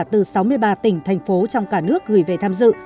từ sáu mươi ba tỉnh thành phố trong cả nước gửi về tham dự